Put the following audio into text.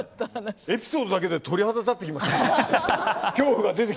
エピソードだけで鳥肌立ってきました。